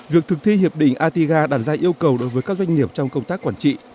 vượt thực thi hiệp định atiga đàn gia yêu cầu đối với các doanh nghiệp trong công tác quản trị